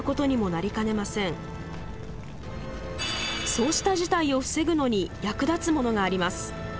そうした事態を防ぐのに役立つものがあります。